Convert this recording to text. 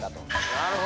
なるほど。